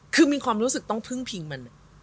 คือมีความรู้สึกต้องพึ่งพิงมัน